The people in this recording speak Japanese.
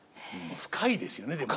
深いですよねでも。